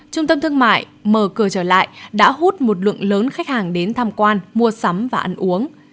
trung tâm thương mại mở cửa trở lại đã hút một lượng lớn khách hàng đến tham quan mua sắm và ăn uống